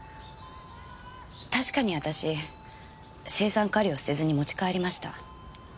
確かに私青酸カリを捨てずに持ち帰りました。